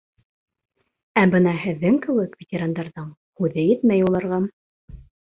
Ә бына һеҙҙең кеүек ветерандарҙың һүҙе етмәй уларға...